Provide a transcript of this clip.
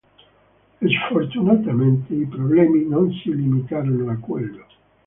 Sfortunatamente i problemi non si limitarono a quello.